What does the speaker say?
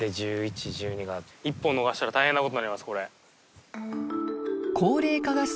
１１１２１本逃したら大変なことになりますこれ。